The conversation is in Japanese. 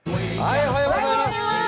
おはようございます。